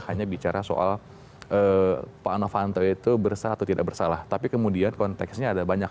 hanya bicara soal pak novanto itu bersalah atau tidak bersalah tapi kemudian konteksnya ada banyak